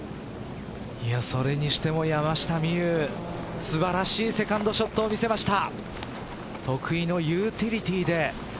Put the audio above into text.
それにしても山下美夢有素晴らしいセカンドショットを見せました。